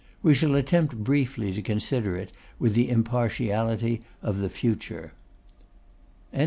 We shall attempt briefly to consider it with the impartiality of the future. CHAPTER V.